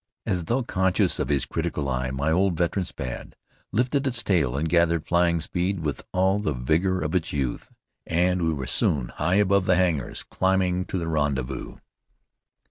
As though conscious of his critical eye, my old veteran Spad lifted its tail and gathered flying speed with all the vigor of its youth, and we were soon high above the hangars, climbing to the rendezvous.